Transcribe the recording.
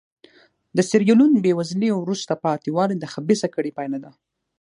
د سیریلیون بېوزلي او وروسته پاتې والی د خبیثه کړۍ پایله ده.